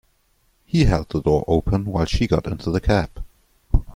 He held the door open while she got into the cab.